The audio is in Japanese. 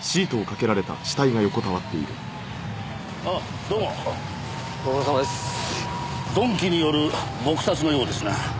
鈍器による撲殺のようですな。